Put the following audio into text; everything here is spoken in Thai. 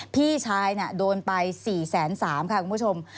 พี่ชายโดนไป๔๓๐๐บาทค่ะคุณผู้ชม